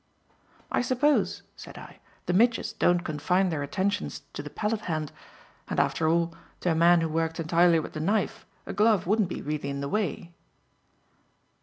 "I suppose," said I, "the midges don't confine their attentions to the palette hand. And after all, to a man who worked entirely with the knife, a glove wouldn't be really in the way."